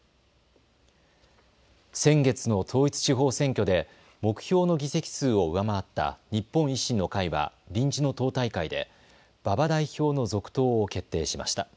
先月の統一地方選挙で目標の議席数を上回った日本維新の会は臨時の党大会で馬場代表の続投を決定しました。